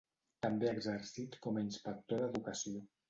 També ha exercit com a inspector d'educació.